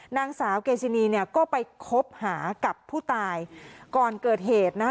นางสาวเกซินีเนี่ยก็ไปคบหากับผู้ตายก่อนเกิดเหตุนะคะ